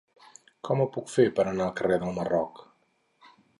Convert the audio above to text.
Com ho puc fer per anar al carrer del Marroc?